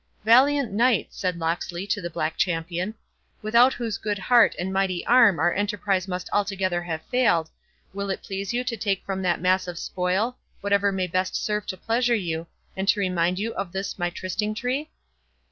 "Valiant knight," said Locksley to the Black Champion, "without whose good heart and mighty arm our enterprise must altogether have failed, will it please you to take from that mass of spoil whatever may best serve to pleasure you, and to remind you of this my Trysting tree?"